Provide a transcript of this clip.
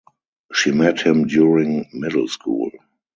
She met him during middle school.